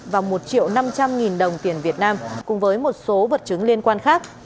và một triệu năm trăm linh nghìn đồng tiền việt nam cùng với một số vật chứng liên quan khác